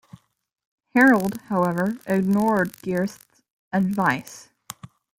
Harold, however, ignored Gyrth's advice.